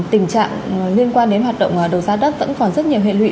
tình trạng liên quan đến hoạt động đấu giá đất vẫn còn rất nhiều hệ lụy